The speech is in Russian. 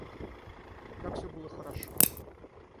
Как всё было хорошо!